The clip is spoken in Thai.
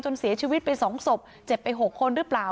เสียชีวิตไป๒ศพเจ็บไป๖คนหรือเปล่า